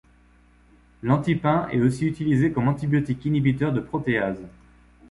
L'antipain est aussi utilisé comme antibiotique inhibiteur de protéase.